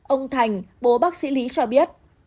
ông thành bố bác sĩ lý cho biết